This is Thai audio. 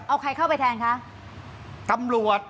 เอาใครเข้าไปแทนคะ